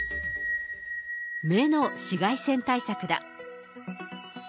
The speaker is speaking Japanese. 目の紫外線対策だ。